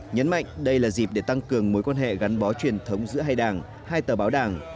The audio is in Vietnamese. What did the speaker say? nhấn mạnh đây là dịp để tăng cường mối quan hệ gắn bó truyền thống giữa hai đảng hai tờ báo đảng